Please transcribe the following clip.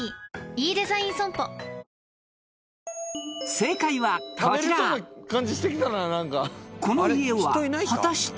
正解はこちらこの家は果たして？